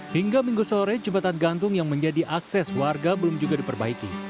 hingga minggu sore jembatan gantung yang menjadi akses warga belum juga diperbaiki